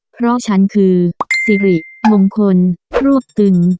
เพราะฉันคือสิริมงคลรวบตึง